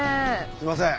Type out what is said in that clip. すいません。